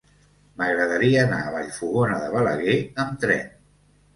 M'agradaria anar a Vallfogona de Balaguer amb tren.